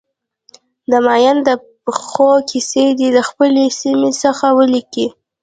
د ماین د پېښو کیسې دې د خپلې سیمې څخه ولیکي.